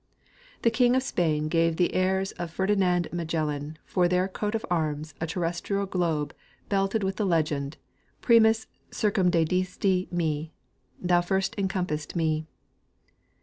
The king of Spain gave to the heirs of Ferdinand Magellan for their coat of arms a terrestrial globe belted with the legend ^^Primas circumdedidi me "—" Thou first encompassed me."